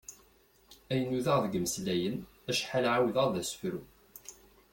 Ay nudaɣ deg imeslayen, acḥal ɛawdeɣ d asefru!